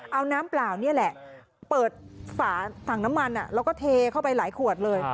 เอาน้ำเปล่านี่แหละเปิดฝาถังน้ำมันแล้วก็เทเข้าไปหลายขวดเลย